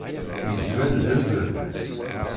Yettban-d am baba-s.